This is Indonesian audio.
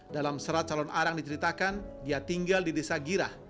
dalam serat calon arang diceritakan dia tinggal di desa girah